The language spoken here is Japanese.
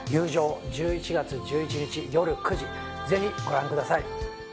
１１月１１日よる９時ぜひご覧ください。